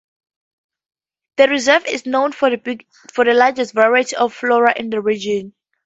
The reserve is known for the largest variety of flora in the region.